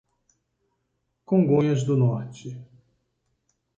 Congonhas do Norte